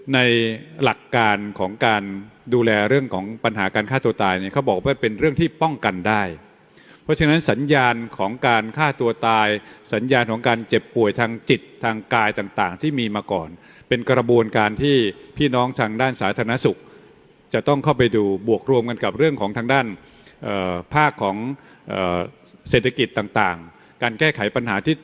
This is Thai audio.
ในหลักการของการดูแลเรื่องของปัญหาการฆ่าตัวตายเนี่ยเขาบอกว่าเป็นเรื่องที่ป้องกันได้เพราะฉะนั้นสัญญาณของการฆ่าตัวตายสัญญาณของการเจ็บป่วยทางจิตทางกายต่างที่มีมาก่อนเป็นกระบวนการที่พี่น้องทางด้านสาธารณสุขจะต้องเข้าไปดูบวกรวมกันกับเรื่องของทางด้านภาคของเศรษฐกิจต่างการแก้ไขปัญหาที่